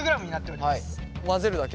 はい混ぜるだけ？